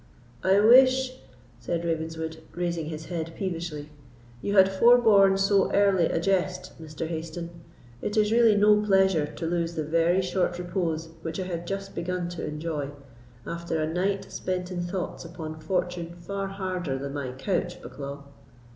"I wish," said Ravenswood, raising his head peevishly, "you had forborne so early a jest, Mr. Hayston; it is really no pleasure to lose the very short repose which I had just begun to enjoy, after a night spent in thoughts upon fortune far harder than my couch, Bucklaw."